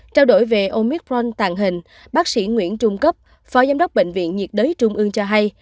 trao đổi về omicront tàn hình bác sĩ nguyễn trung cấp phó giám đốc bệnh viện nhiệt đới trung ương cho hay